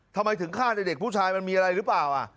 ทำไมถึงฆ่าเด็กผู้ชายมันมีอะไรหรือเปล่า